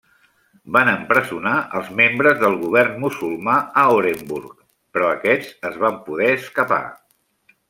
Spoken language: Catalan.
Van empresonar als membres del govern musulmà a Orenburg, però aquests es van poder escapar.